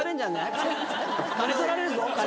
金取られるぞ金。